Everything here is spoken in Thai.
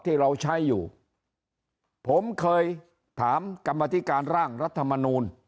ที่เราใช้อยู่ผมเคยถามกรรมธิการร่างรัฐมนูล